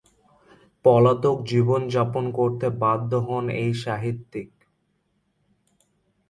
পলাতক জীবন যাপন করতে বাধ্য হন এই সাহিত্যিক।